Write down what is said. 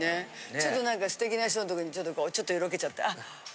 ちょっと何か素敵な人のとこにちょっとよろけちゃって。